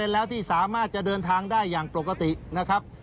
แล้วที่สามารถจะเดินทางได้อย่างปกตินะครับ